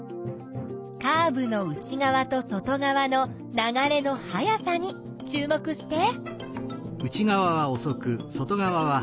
カーブの内側と外側の流れの速さに注目して。